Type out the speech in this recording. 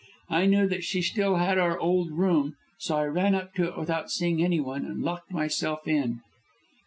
I knew that she still had our old room, so I ran up to it without seeing anyone, and locked myself in."